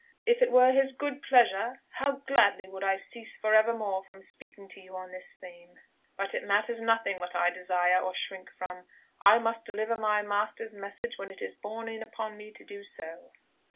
"If it were His good pleasure, how gladly would I cease for evermore from speaking to you on this theme! But it matters nothing what I desire or shrink from. I must deliver my Master's message when it is borne in upon me to do so."